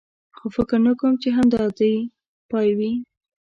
خو فکر نه کوم، چې همدا دی یې پای وي.